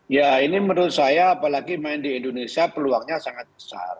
ya ini menurut saya apalagi main di indonesia peluangnya sangat besar